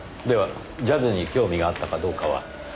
ではジャズに興味があったかどうかは？